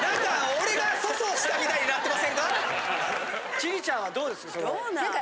千里ちゃんはどうですか？